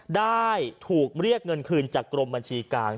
ได้ถูกเรียกเงินคืนจากกรมบัญชีกลาง